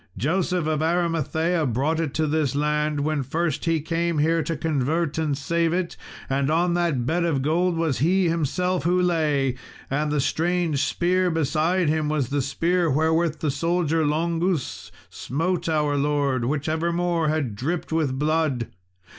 Joseph of Arimathea brought it to this land, when first he came here to convert and save it. And on that bed of gold it was himself who lay, and the strange spear beside him was the spear wherewith the soldier Longus smote our Lord, which evermore had dripped with blood.